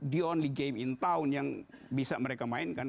be only game in town yang bisa mereka mainkan